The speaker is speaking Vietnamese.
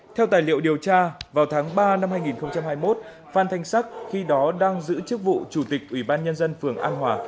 theo tài liệu điều tra vào tháng ba năm hai nghìn hai mươi một phan thanh sắc khi đó đang giữ chức vụ chủ tịch ủy ban nhân dân phường an hòa